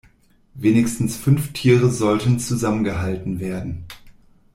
Wenigstens fünf Tiere sollten zusammen gehalten werden.